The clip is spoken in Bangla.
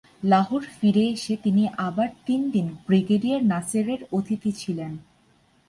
লাহোর ফিরে এসে তিনি আবার তিনদিন ব্রিগেডিয়ার নাসেরের অতিথি ছিলেন।